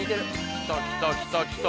来た来た来た来た。